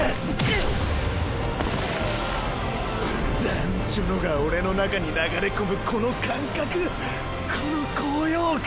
団ちょのが俺の中に流れ込むこの感覚この高揚感！